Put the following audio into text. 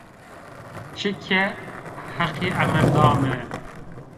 Çike Heqî emir da mi